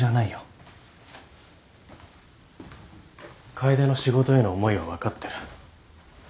楓の仕事への思いは分かってる。